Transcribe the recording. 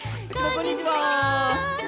こんにちは。